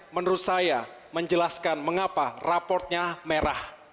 menurut saya menjelaskan mengapa raportnya merah